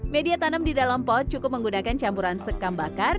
media tanam di dalam pot cukup menggunakan campuran sekambakan